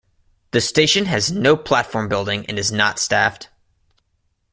The station has no platform building and is not staffed.